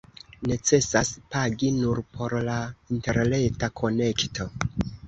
Necesas pagi nur por la interreta konekto.